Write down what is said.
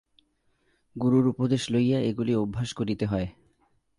গুরুর উপদেশ লইয়া এগুলি অভ্যাস করিতে হয়।